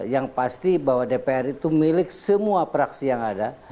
yang pasti bahwa dpr itu milik semua praksi yang ada